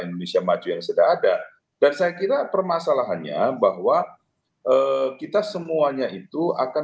indonesia maju yang sudah ada dan saya kira permasalahannya bahwa kita semuanya itu akan